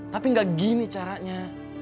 tapi gak gini caranya